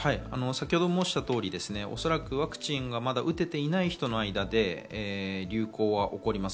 先程も申したように、ワクチンが打てていない人の間で流行は起こります。